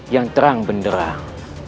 yang terang benderang